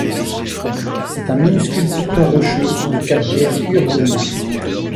C'est un minuscule piton rocheux de calcaire urgonien.